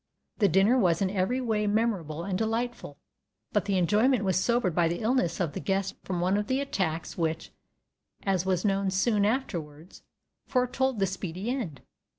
The dinner was in every way memorable and delightful, but the enjoyment was sobered by the illness of the guest from one of the attacks which, as was known soon afterwards, foretold the speedy end.